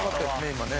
今ね。